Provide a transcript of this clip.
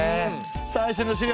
最初の資料